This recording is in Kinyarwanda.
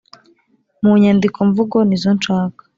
mu nyandiko. mvugo nizo nshaka